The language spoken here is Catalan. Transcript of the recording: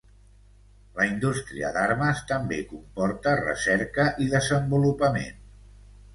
La indústria d'armes també comporta recerca i desenvolupament.